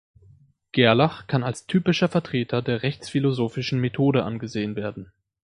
Gerlach kann als typischer Vertreter der rechtsphilosophischen Methode angesehen werden.